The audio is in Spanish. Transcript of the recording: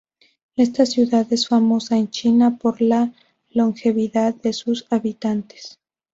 Esta ciudad es famosa en China por la longevidad de sus habitantes.